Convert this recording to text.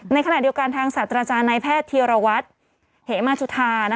ในขณะเดียวกันทางศาสตราจารย์นายแพทย์ธีรวัตรเหมาจุธา